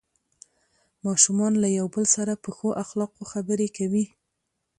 ماشومان له یو بل سره په ښو اخلاقو خبرې کوي